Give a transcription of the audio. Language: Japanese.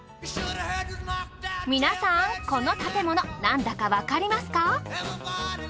皆さんこの建物何だかわかりますか？